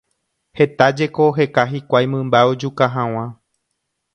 Heta jeko oheka hikuái mymba ojuka hag̃ua.